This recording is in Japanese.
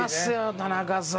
田中さん